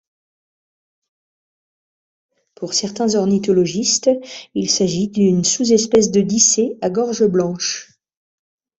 Pour certains ornithologistes, il s'agit d'une sous-espèce de Dicée à gorge blanche.